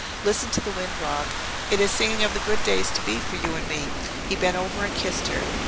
Listen to the wind, Rob! It is singing of the good days to be for you and me." He bent over and kissed her.